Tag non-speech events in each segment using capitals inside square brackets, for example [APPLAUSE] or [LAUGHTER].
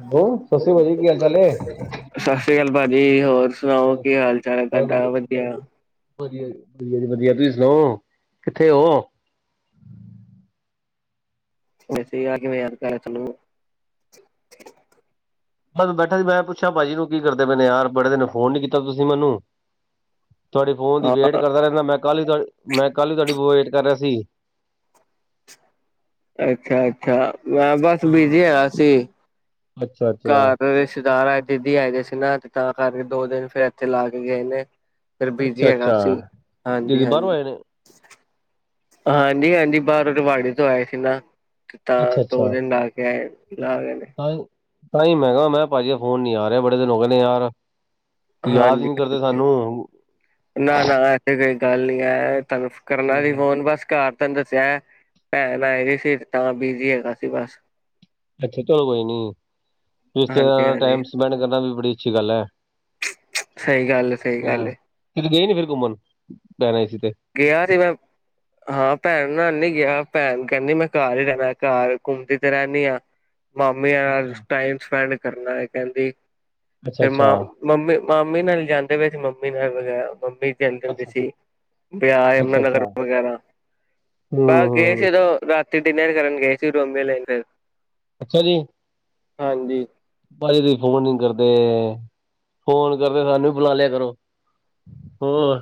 Hello ਸਤਿ ਸ਼੍ਰੀ ਅਕਾਲ ਭਾਜੀ ਕੀ ਹਾਲ ਚਾਲ ਏ ਸਸ ਸੀ ਕਾਲ ਭਾਜੀ ਹੋਰ ਸੁਣਾਓ ਹੋਰ ਕੀ ਹਾਲ ਚਾਲ ਐ ਤੁਆਡਾ ਵਦੀਆ। ਵਦੀਆ, ਵਦੀਆ ਜੀ ਵਧੀਆ, ਤੁਸੀਂ ਸੁਣਾਓ ਕਿੱਥੇ ਓ? ਵੈਸੇ ਈ ਆ ਕਿਵੇਂ ਯਾਦ ਕਰ [UNINTELLIGIBLE] ਬਸ ਬੈਠਾ ਜੀ ਮੈਂ ਪੁੱਛਿਆ ਪਾਜੀ ਨੂੰ ਕੀ ਕਰਦੇ ਪਏ ਨੇ ਯਾਰ ਬੜੇ ਦਿਨ ਫੋਨ ਨੀ ਕੀਤਾ ਤੁਸੀਂ ਮੈਨੂੰ ਤੁਆਡੀ ਫੋਨ ਦੀ ਹਾਂ ਵੇਟ ਕਰਦਾ ਰਹਿਨਾ ਮੈਂ ਕੱਲ ਹੀ, ਮੈਂ ਕੱਲ ਹੀ ਤੁਆਡੀ ਵੇਟ ਕਰ ਰਿਆ ਸੀ ਅੱਛਾ-ਅੱਛਾ, ਮੈਂ ਬਸ ਬਿਜੀ ਹੈਗਾ ਸੀ। ਅੱਛਾ-ਅੱਛਾ ਰਿਸ਼ਤੇਦਾਰ ਘਰ ਦੀਦੀ ਆਏ ਪਏ ਸੀ ਨਾ ਤੇ ਤਾਂ ਕਰਕੇ ਦੋ ਦਿਨ ਫੇਰ ਇੱਥੇ ਲਾ ਕੇ ਗਏ ਨੇ ਫਿਰ ਬੀਜੀ ਅੱਛਾ ਹੈਗਾ ਅੱਛਾ ਸੀ ਦੀਦੀ ਬਾਹਰੋਂ ਹਾਂਜੀ-ਹਾਂਜੀ ਆਏ ਨੇ ਹਾਂਜੀ-ਹਾਂਜੀ ਬਾਹਰੋਂ ਰਿਵਾੜੀ ਤੋਂ ਆਏ ਸੀ ਨਾ ਤਾਂ ਅੱਛਾ ਦੋ ਅੱਛਾ ਦਿਨ ਲਾ ਕੇ ਆਏ ਲਾ ਗਏ ਨੇ ਤਾਂਹੀ ਮੈ ਕਿਹਾ ਮੈਂ ਭਾਜੀ ਫੋਨ ਨੀ ਆ ਰਿਹਾ ਬੜੇ ਦਿਨ ਹੋ ਗਏ ਨੇ ਯਾਰ ਯਾਦ ਹੀ ਹਾਂਜੀ ਨੀ ਕਰਦੇ ਸਾਨੂੰ ਨਾ ਨਾ ਐਸੇ ਗੱਲ ਨੀ ਆ ਤਾਂ ਕਰਨਾ ਸੀ ਫੋਨ ਬਸ ਘਰ ਤੈਨੂੰ ਦੱਸਿਆ ਭੈਣ ਆਏ ਸੀ ਤਾਂ ਬਿਜੀ ਹੈਗਾ ਸੀ ਬਸ ਅੱਛਾ ਚਲੋ ਕੋਈ ਨੀ ਰਿਸ਼ਤੇਦਾਰਾ ਨਾਲ ਹਾਂਜੀ-ਹਾਂਜੀ, ਟਾਈਮ ਸਪੈਂਡ ਕਰਨਾ ਵੀ ਬੜੀ ਅੱਛੀ ਗੱਲ ਹੈ ਸਹੀ ਗੱਲ-ਸਹੀ ਹਾਂ, ਗੱਲ ਫਿਰ ਗਏ ਨੀ ਫਿਰ ਘੁੰਮਣ ਕਹਿ ਰਹੇ ਸੀ ਗਿਆ ਸੀ ਮੈਂ ਹਾਂ ਭੈਣ ਨੀ ਗਿਆ ਭੈਣ ਕਹਿੰਦੀ ਮੈਂ ਘਰ ਹੀ ਰਹਿਣਾ ਘਰ ਘੁੰਮਦੀ ਤੇ ਰਹਿੰਦੀ ਆ ਮਾਮੀਆਂ ਨਾਲ ਟਾਈਮ ਸਪੈਂਡ ਕਰਨਾ ਏ ਕਹਿੰਦੀ ਫੇਰ ਅੱਛਾ-ਅੱਛਾ, ਮਾ ਮੰਮੀ ਮਾਮੀ ਨਾਲ ਈ ਜਾਂਦੇ ਪਏ ਸੀ ਮੰਮੀ ਨਾਲ ਵਗੈਰਾ ਮੰਮੀ ਜਾਂਦੇ ਹੁੰਦੇ ਸੀ ਬਾਜ਼ਾਰ ਯਮਨਾ ਨਗਰ ਅੱਛਾ-ਅੱਛਾ, ਵਗੈਰਾ ਬਾਰ ਗਏ ਸੀ ਹੂੰ-ਹੂੰ। ਜਦੋਂ ਰਾਤੀਂ ਡਿਨਰ ਕਰਨ ਗਏ ਸੀ ਰੋਮਯੋ ਲੇਨ ਦੇ ਅੱਛਾ ਜੀ। ਹਾਂਜੀ ਭਾਜੀ ਤੁਸੀਂ ਫੋਨ ਨੀ ਕਰਦੇ ਫੋਨ ਕਰਦੇ ਸਾਨੂੰ ਵੀ ਬੁਲਾ ਲਿਆ ਕਰੋ ਹੋਰ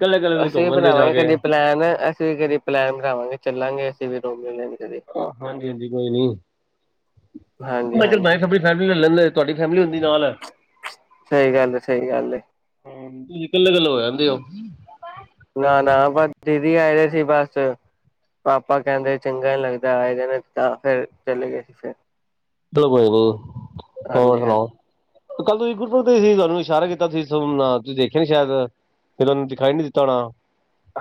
ਕੱਲੇ-ਕੱਲੇ ਤੁਸੀਂ ਅਸੀਂ ਵੀ ਘੁੰਮਣ ਦੇ ਜਾ ਬਣਾਵਾਂਗੇ ਕੇ। ਕਦੀ ਪਲੈਨ ਅਸੀਂ ਵੀ ਕਦੀ ਪਲੈਨ ਬਣਾਵਾਂਗੇ ਚੱਲਾਂਗੇ ਅਸੀਂ ਵੀ ਦੋ ਮਹੀਨੇ ਆਹੋ ਹਾਂਜੀ-ਹਾਂਜੀ ਕੋਈ ਨੀ ਮੈਂ ਚੱਲ ਹਾਂਜੀ-ਹਾਂਜੀ, ਆਪਣੀ ਫੈਮਲੀ ਲੈ ਲੈਂਦੇ ਤੁਹਾਡੀ ਫੈਮਿਲੀ ਹੁੰਦੀ ਨਾਲ ਸਹੀ ਗੱਲ ਐ ਸਹੀ ਗੱਲ ਐ ਕੱਲੇ ਕੱਲੇ ਹੋ [UNINTELLIGIBLE] ਹੋ ਨਾ-ਨਾ ਬਸ ਦੀਦੀ ਆਏ ਦੇ ਸੀ ਬਸ ਪਾਪਾ ਕਹਿੰਦੇ ਚੰਗਾ ਨੀ ਲੱਗਦਾ ਆਏ ਦਿਨ ਤਾਂ ਫਿਰ ਚਲੇ ਗਏ ਸੀ ਫਿਰ ਚਲੋ ਕੋਈ ਨਹੀਂ ਹੋਰ ਹਾਂਜੀ ਹਾਂ ਸੁਣਾਓ ਕੱਲ ਤੁਸੀਂ ਗੁਰਪੁਰਬ ਤੇ ਸੀ ਤੁਹਾਨੂੰ ਇਸ਼ਾਰਾ ਕੀਤਾ ਤੁਸੀਂ ਤੁਸੀਂ ਦੇਖਿਆ ਨੀ ਸ਼ਾਇਦ ਫੇਰ ਉਹਨੂੰ ਦਿਖਾਈ ਨੀ ਦਿੱਤਾ ਹੋਣਾ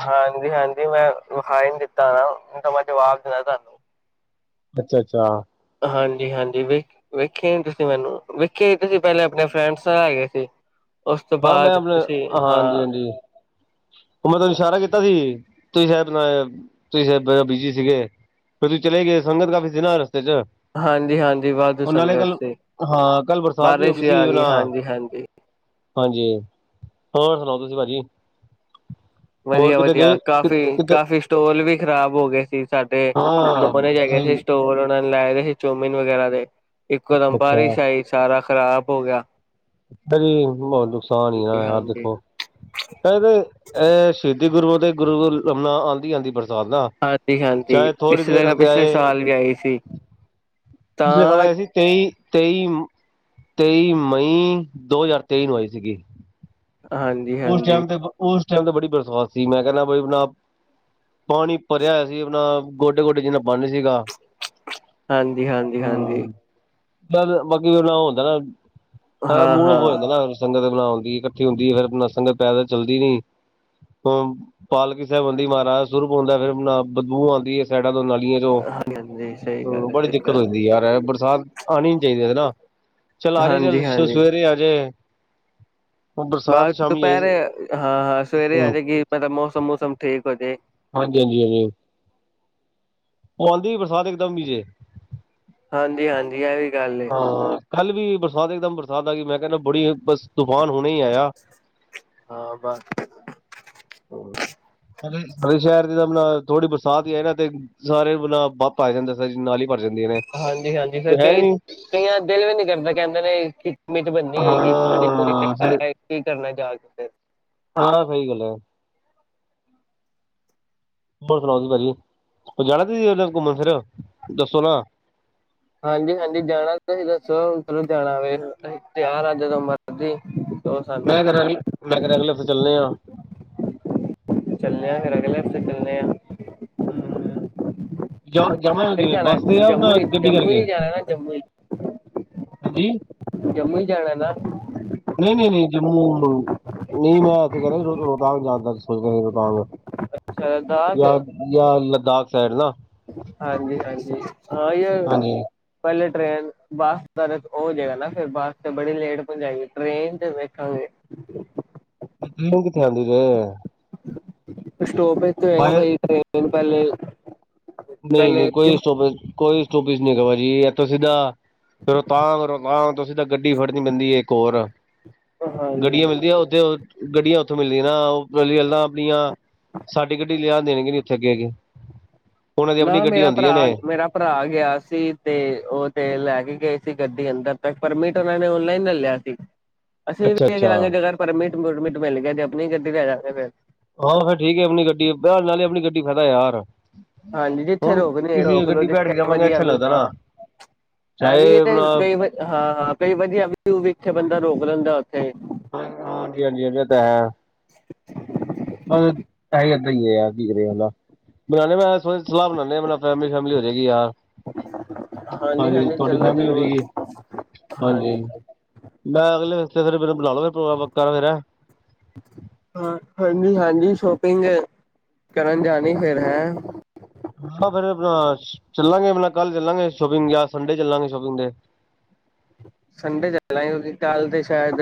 ਹਾਂਜੀ-ਹਾਂਜੀ ਮੈਂ [UNINTELLIGIBLE] ਦਿੱਤਾ ਨਾ ਤਾਂ ਮੈਂ ਜਵਾਬ ਦੇਣਾ ਤੁਹਾਨੂੰ ਅੱਛਾ-ਅੱਛਾ। ਹਾਂਜੀ-ਹਾਂਜੀ ਵੇਖ ਵੇਖੇ ਨੀ ਤੁਸੀਂ ਮੈਨੂੰ ਵੇਖੇ ਹੀ ਤੁਸੀਂ ਪਹਿਲੇ ਆਪਣੇ ਫਰੈਂਡਸ ਨਾਲ ਹੈਗੇ ਸੀ। ਉਸ ਤੋਂ ਹਾ ਮੈਂ ਬਾਅਦ ਆਪਣੇ ਤੁਸੀਂ ਹਾਂ ਹਾਂਜੀ-ਹਾਂਜੀ ਉਹ ਮੈਂ ਤੁਹਾਨੂੰ ਇਸ਼ਾਰਾ ਕੀਤਾ ਸੀ ਤੁਸੀਂ ਸ਼ਾਇਦ ਤੁਸੀਂ ਸ਼ਾਇਦ ਬੀਜੀ ਸੀਗੇ। ਤੁਸੀ ਚਲੇ ਗਏ ਸੰਗਤ ਕਾਫੀ ਸੀ ਨਾ ਰਸਤੇ ਚ ਹਾਂਜੀ ਹਾਂਜੀ ਵਾਧੂ ਉਹ ਨਾਲੇ ਸੰਗਤ ਕੱਲ ਸੀ ਹਾਂ ਕਲ ਬਰਸਾਤ ਵੀ ਹੋ ਗਈ ਬਾਰਿਸ਼ ਸੀ ਆ ਆਪਣਾ ਹਾਂਜੀ ਹਾਂਜੀ ਹਾਂਜੀ ਹੋਰ ਸੁਣਾਓ ਤੁਸੀਂ ਭਾਜੀ। ਹੋਰ ਕਿਤੇ ਵਧੀਆ-ਵਧੀਆ ਗਏ ਕਿਤੇ ਕਾਫੀ-ਕਾਫੀ ਸਟੋਲ ਵੀ ਖ਼ਰਾਬ ਹੋ ਗਏ ਸੀ। ਸਾਡੇ ਹਾਂ ਨੋਨੇ ਵਿੱਚ ਹੈਗੇ ਸੀ ਸਹੀ ਸਟੋਰ ਉਹਨਾਂ ਨੇ ਲਾਏ ਸੀ ਚੋਮਿਨ ਵਗੈਰਾ ਦੇ। ਇਕੋ ਅੱਛਾ ਦਮ ਅੱਛਾ ਬਾਰਿਸ਼ ਆਈ ਸਾਰਾ ਖ਼ਰਾਬ ਹੋ ਗਿਆ। [UNINTELLIGIBLE] [UNINTELLIGIBLE] ਹਾਂਜੀ ਹਾਂਜੀ ਆਂਦੀ-ਆਂਦੀ ਬਰਸਾਤ ਹਾਂਜੀ [UNINTELLIGIBLE] ਹਾਂਜੀ ਚਾਹੇ ਥੋੜੀ ਦੇਰ ਪਿਛਲੇ ਦਾ ਰਸਤੇ ਪਿਛਲੇ ਆਏ ਸਾਲ ਵੀ ਆਈ ਸੀ ਪਿਛਲੇ ਸਾਲ ਤਾਂ ਆਇਆ ਸੀ ਤੇਈ ਤੇਈ-ਤੇਈ ਮਈ ਦੋ ਹਜ਼ਾਰ ਤੇਈ ਨੂੰ ਆਏ ਸੀਗੀ ਹਾਂਜੀ [UNINTELLIGIBLE] ਉਸ ਹਾਂਜੀ ਟਾਈਮ ਤੇ ਉਸ [UNINTELLIGIBLE] ਬੜੀ ਬਰਸਾਤ ਸੀ ਮੈਂ ਕਹਿਣਾ [UNINTELLIGIBLE] ਪਾਣੀ ਭਰਿਆ ਹੋਇਆ ਸੀ ਆਪਣਾ ਗੋਡੇ ਗੋਡੇ ਜਿੰਨਾ [UNINTELLIGIBLE] ਪਾਣੀ ਸੀਗਾ ਹਾਂਜੀ ਹਾਂਜੀ ਹਾਂਜੀ ਹਾਂਜੀ ਬਾਕੀ ਉਹ ਹੁੰਦਾ ਨਾ ਹਾਂ ਮੂਡ ਆਫ ਹੋ ਹਾਂ ਜਾਂਦਾ ਸਾਰੀ ਸੰਗਤ ਦੇ ਨਾਲ। ਨਾ ਹੁੰਦੀ ਇਕੱਠੀ ਹੁੰਦੀ ਫੇਰ ਨ ਸੰਗਤ ਪੈਦਲ ਚੱਲਦੀ ਨੀ [UNINTELLIGIBLE] ਪਾਲਕੀ ਸਾਹਿਬ ਹੂੰਦੀ ਮਹਾਰਾਜ ਸਰੂਪ ਹੁੰਦਾ ਫੇਰ ਨ ਬਦਬੂ ਆਉਂਦੀ ਹੈ ਸੈਂਟ [UNINTELLIGIBLE] ਨਾਲੀਆਂ ਚੋਂ ਹਾਂਜੀ ਹਾਂਜੀ ਸਹੀ ਗੱਲ ਹਮ ਹੈ ਬੜੀ ਸਹੀ ਦਿੱਕਤ ਹੋ ਗੱਲ ਜਾਂਦੀ ਯਾਰ ਬਰਸਾਤ ਆਉਣੀ ਨੀ ਚਾਹੀਦੀ ਨਾ ਚਲ ਹੈ ਆਜੇ ਚਲ ਹਾਂਜੀ ਹਾਂਜੀ ਸਵੇਰੇ ਆਜੇ ਉਹ ਬਰਸਾਤ ਬਾਅਦ ਆਈ ਦੁਪਹਿਰੇ ਹਾਂ ਹਾਂ ਸਵੇਰੇ ਆ ਜਾਏਗੀ [UNINTELLIGIBLE] ਮੌਸਮ ਮੂਸਮ ਠੀਕ ਹੋ ਜੇ ਹਾਂਜੀ-ਹਾਂਜੀ ਹਾਂਜੀ। ਉਹ ਆਉਂਦੀ ਬਰਸਾਤ ਇਕ ਦਮ ਵੀਜੇ ਹਾਂਜੀ-ਹਾਂਜੀ ਇਹ ਵੀ ਗੱਲ ਏ [UNINTELLIGIBLE] ਹਾਂ ਕੱਲ ਵੀ ਬਰਸਾਤ ਇੱਕਦਮ ਬਰਸਾਤ ਆ ਗਈ ਮੈਂ ਕਹਿੰਦਾ ਬੜੀ [UNINTELLIGIBLE] ਤੂਫਾਨ ਹੁਣੇ ਹੀ ਆਇਆ। ਹਾਂ ਬਸ। [UNINTELLIGIBLE] ਸਾਡੇ ਸ਼ਹਿਰ ਦੇ ਤਾਂ ਥੋੜੀ ਬਰਸਾਤ ਹੀ ਆਏ ਨਾ ਤੇ ਸਾਰੇ ਣ [UNINTELLIGIBLE] [UNINTELLIGIBLE] ਨਾਲੀ ਭਰ ਜਾਂਦੀਆਂ ਨੇ ਹਾਂਜੀ-ਹਾਂਜੀ ਕੋਈ ਫਿਰ ਹੈ ਕਈ ਨਹੀਂ ਕਈਆਂ ਦਿਲ ਵੀ ਨਹੀ ਕਰਦਾ ਕਹਿੰਦੇ ਨੇ ਕੀ ਉਮੀਦ ਬੰਨੀ ਹੈਏਗੀ ਪਾਣੀ ਹਾਂ ਫਿਰ [UNINTELLIGIBLE] [UNINTELLIGIBLE] ਕਰਨਾ ਜਾ ਕੇ ਫਿਰ ਹਾਂ ਸਹੀ ਗੱਲ ਹੈ। ਹੋਰ ਸੁਣਾਓ ਤੁਸੀ ਭਾਜੀ ਜਾਣਾ ਤੁਸੀਂ ਉਧਰ ਘੁੰਮਣ ਫਿਰ ਦੱਸੋ ਨਾ ਅੰਕਲ ਨੂੰ ਕਹਿਣਾ ਜਦੋਂ ਮਰਜ਼ੀ ਆ ਜਾਣਾ ਮੈਂ ਤਿਆਰ ਹਂ। ਮੈਂ ਕਰਾ ਮੈ ਚਲਣੇ ਆ ਠੀਕ [UNINTELLIGIBLE] ਚੱਲਨੇ ਆ ਮੈਂ ਕਹਿੰਦਾ ਹਾਂ। ਫਿਰ ਅਗਲੇ ਹਫਤੇ ਚਲਣੇ ਆ ਹਮ, ਜਾ ਫਿਰ ਜਾਵਾਂਗੇ ਜਾਨਾ ਬੱਸ ਤੇ ਆ ਨਾ ਜੰਮੂ ਹੀ ਗੱਡੀ ਜੰਮੂ ਕਰਕੇ ਹੀ ਜਾਣਾ ਜੰਮੂ ਹੀ ਜੰਮੂ ਹੀ ਜਾਣੈ ਨਾ ਨਹੀ-ਨਹੀ ਨਹੀ ਜੰਮੂ ਨੂੰ ਨਹੀਂ ਮੈਂ ਇੱਥੇ ਕਹਿ ਰਿਹਾ ਰੋਤਾਂਗ ਜਾਂਦਾ ਸੋਚ ਰੋਤਗ ਲਦਾਖ ਯਾ ਯਾ ਲੋਦਾਕ ਸਾਈਡ ਨਾ ਹਾਂਜੀ-ਹਾਂਜੀ [UNINTELLIGIBLE] ਹਾਂਜੀ ਪਹਿਲੇ ਟ੍ਰੇਨ ਬਸ ਦਾ ਉਹ ਹੋ ਜਏਗਾ ਫਿਰ ਬੱਸ ਤੇ ਬੜੀ ਲੇਟ ਪਹੁੰਚਏਗੀ ਟ੍ਰੇਨ ਚ ਵੇਖਾਂਗੇ ਟ੍ਰੇਨ ਕਿਥੇ ਆਦੀ ਜੇ ਸਟੋਪ ਚ ਹੋਏਗਾ ਬਾਏ ਕਈ ਦਿਨ ਪਹਿਲੇ ਨਹੀਂ ਪਹਿਲੇ ਨਹੀਂ ਕੋਈ ਸਟੋ ਕੋਈ ਸਟੋਪ ਨਹੀਂ ਜੀ ਇਥੋਂ ਸਿੱਧਾ ਰੋਹਤਾਂਗ ਰੋਤਾਂਗ ਤੁਸੀਂ ਤਾਂ ਗੱਡੀ ਫੜਨੀ ਪੈਂਦੀ ਇੱਕ ਹੋਰ ਹਾਂਜੀ ਗੱਡੀਆਂ ਹਾਂਜੀ ਮਿਲਦੀਆਂ ਉੱਥੇ ਗੱਡੀਆਂ ਉੱਥੋਂ ਮਿਲਦੀਆਂ ਨਾ ਉਹ ਗੱਲਾਂ ਆਪਣੀਆਂ। ਸਾਡੀ ਗੱਡੀ ਲਿਆ ਦੇਣਗੇ ਨੀ ਉੱਥੇ ਅੱਗੇ ਅ ਕੇ ਨਾ ਮੇਰਾ ਭਰਾ ਮੇਰਾ ਭਰਾ ਗਿਆ ਸੀ ਤੇ ਉਹ ਤੇ ਲੈ ਕੇ ਗਏ ਸੀ ਗੱਡੀ ਅੰਦਰ ਤਾਂ ਪਰਮਿਟ ਉਹਨਾਂ ਨੇ ਓਨਲਾਈਨ ਲ ਲਿਆ ਸੀ। ਅਸੀਂ ਅੱਛਾ ਵੀ ਚ ਅੱਛਾ ਲਾਂਗੇ ਜਗਰ ਪਰ ਮਟ ਮਟ ਮਿਲ ਗਿਆ ਤੇ ਆਪਣੀ ਗੱ ਵੀ ਆ ਜਾਗੇ ਫਿਰ ਆਹੋ ਫਿਰ ਠੀਕ ਏ ਆਪਣੀ ਗੱਡੀ ਬ ਨਾਲ ਹੀ ਆਪਣੀ ਗੱਡੀ ਫ਼ਦਾ ਯਾਰ। ਹਾਂਜੀ ਜਿੱਥੇ ਹੁਣ ਰੋਕਦੇ ਕਿਸੇ ਰੋਕ ਲੋ ਗੱਡੀ ਬੈਠ ਜਿੱਥੇ ਕੇ ਜਾਵਾਂਗੇ ਵਧੀਆ ਅੱਛਾ ਨੀ ਵੀ ਲੱਗਦਾ ਹਾਂ। ਨਾ ਐ ਵੀ ਚਾਹੇ ਇਹ ਤੇ ਆਪਣਾ ਕਈ ਵ ਹਾਂ ਕਈ ਵਧੀਆ ਵੀਊ ਵੀ ਇਥੇ ਬੰਦਾ ਰੋਕ ਲੈਂਦਾ ਉੱਥੇ ਹ ਹਾਂਜੀ ਹਾਂਜੀ ਹ ਤਾਂ ਹੈ। ਬਸ ਹੈਦ ਹੀ ਰਿਦਾ ਬਉ ਮੈਂ ਸਲਾਹ ਬਣਾਦੇ ਫੈਮ ਫੈਮਲੀ ਹੋ ਜਾਏਗੀ ਯਾਰ। ਹਾਂਜੀ ਤੁਹਾਡੀ ਫੈਮਲੀ ਹੋ ਜਾਏਗੀ ਹਾਂਜੀ। ਮੈਂ ਅਗਲੇ ਹਫ਼ਤੇ ਫਿਰ ਮੈਨੂੰ ਬੁਲਾ ਲ ਪ੍ਰੋਗਰਾਮ ਵ ਫੇਿਰ ਹਾਂ ਹਾਂਜੀ ਹਾਂਜੀ ਸ਼ੋਪਿੰਗ ਕਰਨ ਜਾਣੀ ਫੇਰ ਹੈ ਹਾਂ ਫਿਰ ਬਸ ਚੱਲਾਂਗੇ ਆਪਣਾ ਕੱਲ ਚੱਲਾਂਗੇ ਸ਼ੋਪਿੰਗ ਜਾਂ ਸੰਡੇ ਚੱਲਾਂਗੇ ਸ਼ੋਪਿੰਗ ਤੇ ਸੰਡੇ ਚਲਾਗੇ ਕਿਉਂਕਿ। ਕੱਲ ਤੇ ਸ਼ਾਇਦ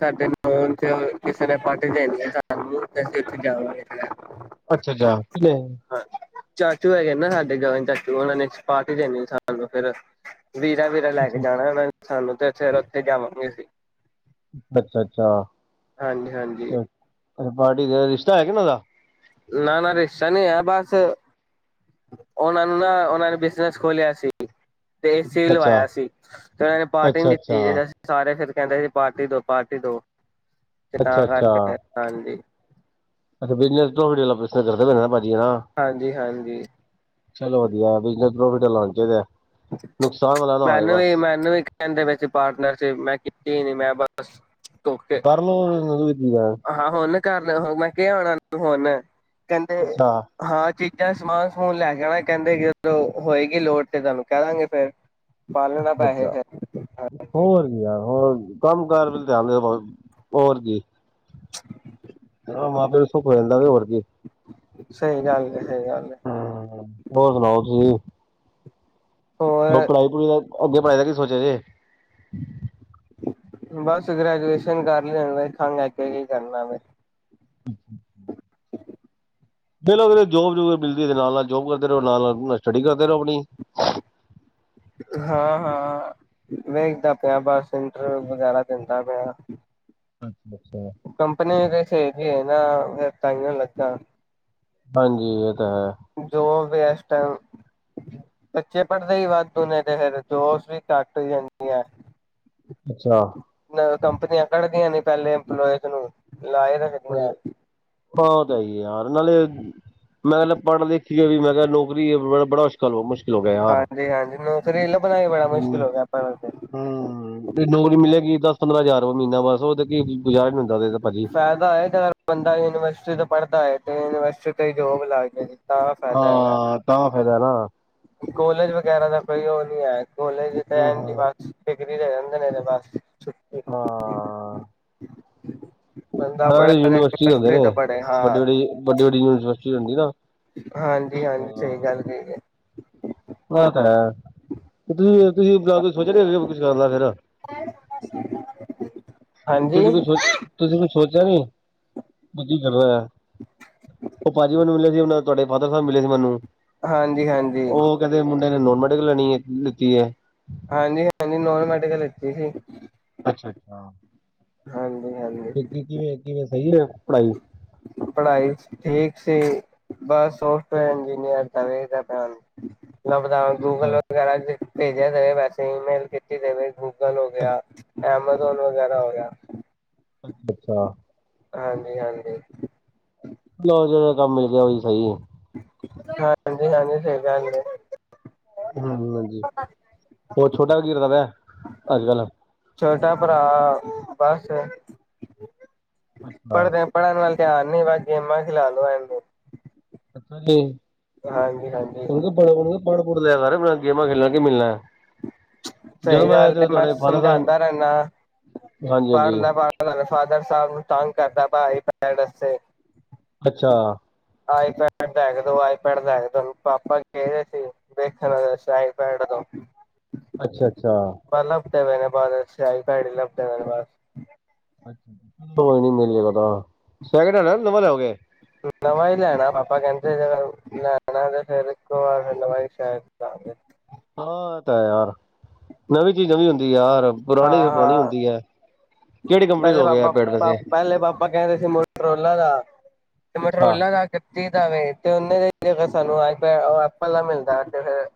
ਸਾਡੇ ਨੌ [UNINTELLIGIBLE] ਕਿਸੇ ਨੇ ਪਾਰਟੀ ਦੇਣੀ ਆ ਸਾਨੂੰ ਤੇ ਅਸੀਂ ਉੱਥੇ [UNINTELLIGIBLE] ਅੱਛਾ ਅੱਛਾ ਹਾਂ ਚਾਚੂ ਹੈਗੇ ਨਾ ਸਾਡੇ ਗਗਨ ਚਾਚੂ ਉਹਨਾਂ ਨੇ ਪਾਰਟੀ ਦੇਣੀ ਸਾਨੂੰ ਫਿਰ ਵੀਰਾ ਵੀਰਾ ਲੈ ਕੇ ਅੱਛਾ ਜਾਣਾ ਸਾਨੂੰ ਤੇ ਫਿਰ ਉੱਥੇ ਜਾਵਾਂਗੇ ਅਸੀਂ ਅੱਛਾ ਹਾਂਜੀ ਹਾਂਜੀ ਅੱਛਾ ਪਾਰਟੀ ਦਾ ਰਿਸ਼ਤਾ ਹੋਇਆ ਕਿ ਉਹਨਾਂ ਦਾ ਨਾ ਨਾ ਰਿਸਤਾ ਨਹੀਂ ਹੋਇਆ ਬਸ ਉਹਨਾਂ ਨੂੰ ਨਾ ਉਹਨਾਂ ਨੇ ਬਿਜਨਸ ਖੋਲਿਆ ਸੀ ਤੇ ਏ ਸੀ ਵੀ ਅੱਛਾ। ਲਵਾਇਆ ਸੀ ਤੇ ਉਹਨਾਂ ਨੇ ਪਾਰਟੀ ਨੀ ਅੱਛਾ ਦਿੱਤੀ ਅੱਛਾ ਤੇ ਅਸੀਂ ਸਾਰੇ ਫਿਰ ਕਹਿੰਦੇ ਸੀ ਪਾਰਟੀ ਦੋ ਪਾਰਟੀ ਦੋ ਤੇ ਅੱਛਾ ਤਾਂ ਅੱਛਾ ਕਰਕੇ ਹਾਂਜੀ ਅੱਛਾ [INAUDIBLE] [UNINTELLIGIBLE] ਹਾਂਜੀ ਹਾਂਜੀ ਚਲੋ ਵਧੀਆ ਬਿਜਨ ਪ੍ਰੋਫਿਟ [UNINTELLIGIBLE] ਹੋਣਾ ਚਾਹੀਦਾ ਨੁਕਸਾਨ ਵਾਲਾ ਨਾ ਹੋਏ ਮੈਨੂੰ ਵੀ ਬਸ। ਮੈਨੂੰ ਵੀ ਕਹਿੰਦੇ ਵਿੱਚ ਪਾਰਟਨਰਸ਼ਿਪ ਮੈਂ ਕਿ ਕੀਤੀ ਹੀ ਨ ਮੈਂ ਬਸ। ਧੋਖੇ ਕਰ ਲਓ ਕੀ ਆ ਮੈਂ ਹਾਂ ਹੁਣ ਕਰ ਮੈਂ ਕਿਹਾ ਆਉਣਾ ਹੁਣ ਕਹਿੰਦੇ ਅੱਛਾ ਹਾਂ। ਚੀਜ਼ਾਂ ਸਮਾਨ ਸਮੂਨ ਲੈ ਜਾਣਾ ਕਹਿੰਦੇ ਜਦੋਂ ਹੋਏਗੀ ਲੋੜ ਤੇ ਤੁਹਾਨੂੰ ਕਹਿ ਦਾਂਗੇ ਫੇਰ। ਪਾ ਲੈਣਾ ਪੈਸੇ ਅੱਛਾ ਫਿਰ ਹੋਰ ਵੀ ਯਾਰ ਹੋਰ ਕੰਮ ਕਾਰ ਵ ਧਿਆਨ ਦੇ। ਹੋਰ ਕੀ। ਚੋ ਮਾਂ ਪਿਓ ਸੁੱਖ ਹੋ ਜਾਂਦਾ ਵੀ ਹੋਰ ਕੀ। ਸਹੀ ਗੱਲ ਐ ਹੂੰ ਹੋਰ ਸੁਣਾਓ ਤੁਸੀਂ ਹੋਰ ਪੜ੍ਹਾਈ ਪੜੂਈ ਦਾ ਅੱਗੇ ਪੜ੍ਹਾਈ ਦਾ ਕੀ ਸੋਚਿਆ ਜੇ ਬਸ ਗ੍ਰੈਜੂਏਸ਼ਨ ਕਰ ਲਈ ਵੇਖਾਂਗੇ ਅੱਗੇ ਕੀ ਕਰਨਾ ਵੇ ਅੱਛਾ [UNINTELLIGIBLE] ਦੇਖੋ ਜੋਬ ਜੁਬ ਮਿਲਜੇ ਨਾਲ ਨਾਲ ਜੋਬ ਕਰਦੇ ਰਹੋ ਨਾਲ ਨਾਲ ਸਟੱਡੀ ਕਰਦੇ ਰਹੋ ਆਪਣੀ [UNINTELLIGIBLE] ਹਾਂ ਹਾਂ ਵੇਖਦਾ ਪਿਆ ਬਸ ਇੰਟਰਵਿਊ ਵਗੈਰਾ ਦਿੰਦਾ ਪਿਆ ਅੱਛਾ ਅੱਛਾ ਕੰਪਨੀ ਕੈਸੇ ਹੈਗੀ ਹੈ ਨਾ ਫਿਰ ਤਾਹੀਓਂ ਲੱਗਾ ਹਾਂਜੀ ਤਾਂ ਹੈ ਜੋਬ ਫਿਰ ਟਾਈਮ ਬੱਚੇ ਪੜ੍ਹਦੇ ਹੀ ਵੱਧ ਹੁੰਦੇ ਤੇ ਫਿਰ ਜੋਸ਼ ਵੀ ਘੱਟ ਹੋ ਜਾਂਦੀ ਆ ਅੱਛਾ ਕੰਪਨੀਆਂ ਕੱਢਦੀਆਂ ਨੇ ਪਹਿਲੇ ਇੰਪਲੋਇਜ਼ ਨੂੰ ਲਾਏ ਰੱਖਦੀਆਂ। ਬਹੁਤ ਹੈ ਹੀ ਯਾਰ ਨਾਲੇ ਮੈਂ [UNINTELLIGIBLE] ਪੜ੍ਹ ਲਿਖ ਕੇ ਵੀ ਮੈਂ ਕਿਹਾ ਨੌਕਰੀ ਹੈ ਬੜਾ ਮੁਸ਼ਕਿਲ ਮੁਸ਼ਕਿਲ ਲ ਹੋ ਗਿਆ ਯਾਰ ਹਾਂਜੀ-ਹਾਂਜੀ ਨੌਕਰੀ ਲੱਭਣਾ ਹੀ ਬੜਾ ਹੂੰ ਮੁਸ਼ਕਿਲ ਹੋ ਗਿਆ ਪਰ ਕੋਈ ਨੌਕਰੀ ਮਿਲੇਗੀ ਤਾਂ ਪੰਦਰਾਂ ਹਜ਼ਾਰ ਮਹੀਨਾ ਬਸ ਉਹ ਤੇ ਕੀ ਗੁਜਾਰਾ ਨੀ ਹੁੰਦਾ ਭਾਜੀ ਫਾਇਦਾ ਹੈ ਬੰਦਾ ਯੂਨੀਵਰਸਿਟੀ ਤੋਂ ਪੜ੍ਹਦਾ ਹੈ ਤੇ ਯੂਨੀਵਰਸਿਟ ਵਿਚ ਜੋਬ ਲੱਗ ਗਿਆ ਹਾਂ ਤਾਂ ਫ਼ਾਇਦਾ ਨਾ ਕੋਲੇਜ ਵਗੈਰਾ ਦਾ ਕੋਈ ਉਹ ਨਹੀਂ ਹੈ ਕੋਲੇਜ ਹਾਂ। ਹਾਂ ਸਾਰੇ ਯੂਨੀਵਰਸਿਟੀ [UNINTELLIGIBLE] ਹੁੰਦੇ ਨੇ। [UNINTELLIGIBLE] [UNINTELLIGIBLE] ਪੜੇ ਵੱਡੀ ਹਾਂ ਵੱਡੀ ਵੱਡੀ ਵੱਡੀ ਯੂਨੀਵਰਸਿਟੀ ਹੁੰਦੀ ਨਾ ਹਾਂਜੀ ਹਾਂਜੀ ਸਹੀ ਗੱਲ ਕਹੀ ਹੈ ਇਹ ਤੇ ਹੈ ਤੁਸੀਂ ਤੁਸੀਂ ਜਿਆਦਾ ਸੋਚ [UNINTELLIGIBLE] [UNINTELLIGIBLE] ਹਾਂਜੀ, ਤੁਸੀਂ ਕੋਈ ਸੋਚ ਤੁਸੀਂ ਕੋਈ ਸੋਚਿਆ ਨੀ [UNINTELLIGIBLE] ਉਹ ਭਾਅਜੀ ਮੈਨੂੰ ਮਿਲਿਆ ਸੀ ਉਹਨਾਂ ਤੁਹਾਡੇ ਫਾਦਰ ਸਾਹਿਬ ਮਿਲੇ ਸੀ ਮੈਨੂੰ ਹਾਂਜੀ ਹਾਂਜੀ ਉਹ ਕਹਿੰਦੇ ਮੁੰਡੇ ਨੋਨ ਮੈਡੀਕਲ ਲੈਣੀ ਹੈ ਕੀ ਲਿੱਤੀ ਹੈ ਹਾਂਜੀ ਹਾਂਜੀ ਨੋਨ ਮੈਡੀਕਲ ਲਤੀ ਸੀ ਅੱਛਾ ਅੱਛਾ ਹਾਂਜੀ ਇੱਕ ਕਿਵੇਂ ਕਿਵੇਂ ਸਹੀ ਆ ਪੜ੍ਹਾਈ ਠੀਕ ਸੀ ਬਸ ਸੋਫਟਵੇਅਰ ਇੰਜੀਨੀਅਰ ਲੱਭਦਾ ਅੱਛਾ ਗੂਗਲ ਅੱਛਾ ਵਗੈਰਾ ਭੇਜਿਆ ਦੇਵੇ ਵੈਸੇ ਈਮੇਲ ਕੀਤੀ ਦੇਵੇ ਗੂਗਲ ਹੋ ਗਿਆ ਐਮਾਜ਼ੋਨ ਵਗੈਰਾ ਹੋ ਗਿਆ ਅੱਛਾ ਅੱਛਾ ਹਾਂਜੀ ਹਾਂਜੀ ਜੋ ਜਿ ਕੰਮ ਮਿਲ ਗਿਆ ਉਹੀ ਸਹੀ ਹੈ ਹਾਂਜੀ ਹਾਂਜੀ ਸਹੀ ਗੱਲ ਹੈ ਹੂੰ ਹਾਂਜੀ ਹੋਰ ਛੋਟਾ ਕੀ ਕਰਦਾ ਅੱਜ ਕੱਲ ਛੋਟਾ ਭਰਾ ਬਸ ਅੱਛਾ। ਪੜ੍ਹਦੇ ਪੜ੍ਹਨ ਵੱਲ ਧਿਆਨ ਮੇਰਾ ਗੇਮਾਂ ਚ ਲਾ ਲੋ [UNINTELLIGIBLE] ਹਾਂਜੀ ਹਾਂਜੀ ਉਹਨੂੰ ਪੜ [UNINTELLIGIBLE] ਗੇਮਾਂ ਖੇਲਣ ਕੀ ਮਿਲਣਾ ਜਦੋਂ ਸਹੀ ਆਇਆ ਗੱਲ ਹੈ ਤੇ ਮੈਂ ਤੁਹਾਡੇ ਫਾਦਰ ਸਮਝਾਂਦਾ ਸਾਹਿਬ ਰਹਿੰਦਾ ਪੜ ਹਾਂਜੀ-ਹਾਂਜੀ ਲ ਪੜ ਫਾਦਰ ਸਾਹਿਬ ਨੂੰ ਤੰਗ ਕਰਦਾ ਭਾ ਪੈ ਦੱਸੇ ਅੱਛਾ ਲੈ ਕੇ ਦੋ ਆਈਪੈਡ ਲੈ ਦੋ ਪਾਪਾ ਕਹਿਦੇ ਸੀ ਵੇਖਣ ਆਈਪੈਡ ਤੋਂ ਅੱਛਾ ਅੱਛਾ ਪੇ ਬਦ ਸਿਆਈ ਲੱਭਦੇ ਬਸ ਕੋਈ ਮਿਲ ਜਾਏਗਾ ਸੈਕਿੰਡ ਹੈਂਡ ਕਿ ਨਵਾਂ ਲਿਆਓਗੇ ਨਵਾਂ ਹੀ ਲੈਣਾ ਪਾਪਾ ਕਹਿੰਦੇ ਇਕੋ ਵਾਰ ਹਾਂ ਇਹ ਤਾਂ ਯਾਰ ਨਵੀਂ ਚੀਜ਼ ਨਵੀਂ ਹੁੰਦੀ ਯਾਰ ਪੁਰਾਣੀ ਹਾਂ ਫੇਰ ਪੁਰਾਣੀ ਹਾਂ ਹੁੰਦੀ ਹੈ ਕਿਹੜੀ ਕੰਪਨੀ ਲੋਗੇ ਆਈਪੈਡ ਵੈਸੇ? ਪਹਿਲੇ ਪਾਪਾ ਕਹਿੰਦੇ ਸੀ ਮਟਰੋਲਾ ਦਾ ਤੇ ਅੱਛਾ, ਮਟਰੋਲਾ ਦਾਵੇ ਤੇ ਉਹਨੇ ਦੇ ਸਾਨੂੰ ਅੱਜ ਐਪਲ ਦਾ ਮਿਲਦਾ ਤੇ ਫਿਰ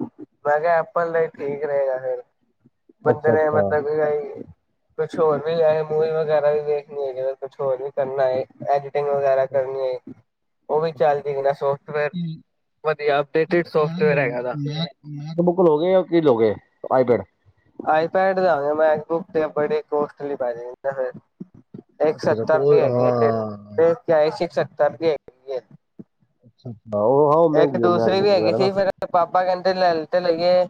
ਮੈਂ ਕਿਹਾ ਐਪਲ ਠੀਕ ਰਹੇਗਾ ਫੇਰ ਬੰਦੇ ਨੇ ਅੱਛਾ-ਅੱਛਾ। ਮਤਲਬ ਕਿ ਭਈ ਕੁਛ ਹੋਰ ਮੂਵੀ ਵਗੈਰਾ ਵੀ ਦੇਖਣੀ ਹੈ ਜਗ ਕੁਛ ਹੋਰ ਵੀ ਕਰਨਾ ਹੈ ਟਿੰਗ ਵਗੈਰਾ ਕਰਨੀ ਹੈ ਉਹ ਵੀ ਚੱਲਦੀ ਕਿ ਸੋਫਟਵੇਅਰ ਵਧੀਆ [INAUDIBLE] ਅਪਡੇਟਡ ਸੋਫਟਵੇਅਰ ਹੈਗਾ ਦਾ ਕੀ ਲੋਕ ਹੈ ਆਈ ਪੈਡ [INAUDIBLE] ਇੱਕ ਸੱਤਾ ਵੀ ਅੱਛਾ-ਅੱਛਾ ਹੈ ਹਾਂ। ਸੱਤਾ ਦੀ ਹੈਗੀ ਅੱਛਾ ਉਹ ਹਾਂ ਇੱਕ ਮਹਿੰਗੀ ਦੂਸਰੇ ਵੀ ਮੈਕਬੁੱਕ ਹੈਗੀ ਵਗੈਰਾ ਨਾ ਸੀ ਫਿਰ ਪਾਪਾ ਕਹਿੰਦੇ ਲੈ ਤੇ ਲ ਗਏ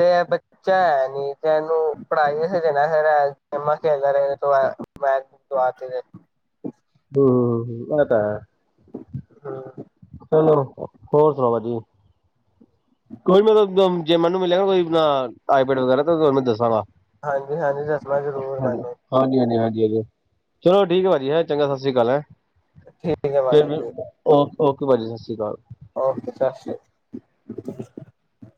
ਤੇ ਬੱਚਾ ਹੈ ਨੀ ਤੇ ਇਹਨੂੰ ਪੜ੍ਹਾਈ ਦੇਣਾ ਫਿਰ ਗੇਮਾਂ ਖੇਲਦਾ ਰਹੇ ਇਹ ਤੋਂ ਮੈਂ ਹਮ ਆ ਤਾਂ ਹੂੰ ਹੋਰ ਸੁਣਾਓ ਜੀ ਕੋਈ ਨਹੀਂ ਜੇ ਮੈਨੂੰ ਮਿਲਿਆਗਾ ਨਾ ਕੋਈ ਆਈਪੈਡ ਵਗੈਰਾ ਹਾਂਜੀ-ਹਾਂਜੀ ਦੱਸਣਾ ਜ਼ਰੂਰ ਮੈਨੂੰ ਚਲੋ ਠੀਕ ਹੈ ਭਾਜੀ ਹੈ ਚੰਗਾ ਸਤਿ ਸ੍ਰੀ ਅਕਾਲ ਹੈ ਠੀਕ ਹੈ ਭਾਜੀ ਫਿਰ ਠੀਕ ਓਕੇ ਭਾਅਜੀ ਸਤਿ ਸ਼੍ਰੀ ਅਕਾਲ ਓਕੇ ਸਤਿ ਸ਼੍ਰੀ ਅਕਾਲ। [INAUDIBLE]